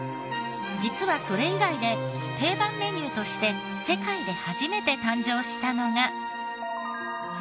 実はそれ以外で定番メニューとして世界で初めて誕生したのが。